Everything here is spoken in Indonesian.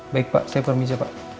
baik pak saya permisi pak